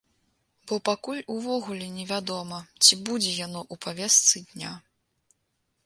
Бо пакуль увогуле не вядома, ці будзе яно ў павестцы дня.